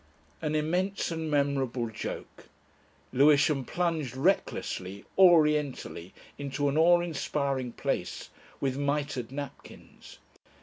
An immense and memorable joke. Lewisham plunged recklessly orientally into an awe inspiring place with mitred napkins.